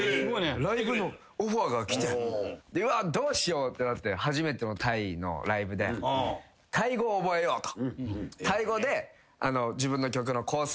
どうしようってなって初めてのタイのライブでタイ語を覚えようと。